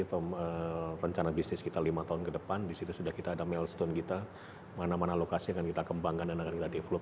bisa kita lihat di mana mana rencana bisnis kita lima tahun ke depan disitu sudah kita ada milestone kita mana mana lokasi yang kita akan kembangkan dan akan kita develop